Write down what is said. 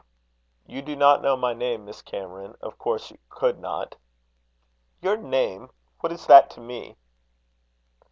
"You do not know my name, Miss Cameron; of course you could not." "Your name! What is that to me?"